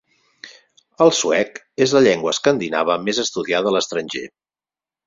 El suec és la llengua escandinava més estudiada a l'estranger.